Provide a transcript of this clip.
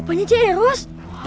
bapaknya ceh eros